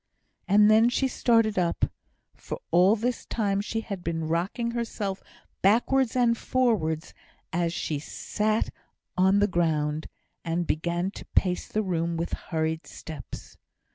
And then she started up, for all this time she had been rocking herself backwards and forwards as she sat on the ground, and began to pace the room with hurried steps.